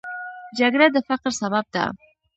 جګړه د فقر سبب ده